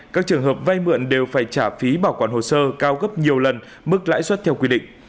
các trường hợp vay mượn đều phải trả phí bảo quản hồ sơ cao gấp nhiều lần mức lãi suất theo quy định